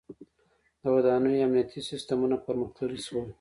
• د ودانیو امنیتي سیستمونه پرمختللي شول.